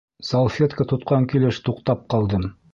Салфетка тотҡан килеш туҡтап ҡалдым.